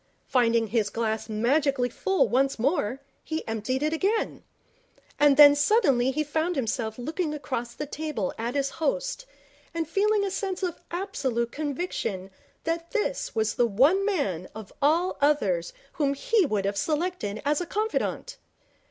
Finding his glass magically full once more, he emptied it again. And then suddenly he found himself looking across the table at his Host, and feeling a sense of absolute conviction that this was the one man of all others whom he would have selected as a confidant.